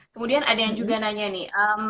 kemudian ada yang juga nanya nih